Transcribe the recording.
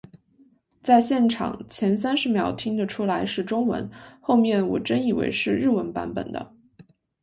在现场，前三十秒听得出来是中文，后面我真以为是日文版本的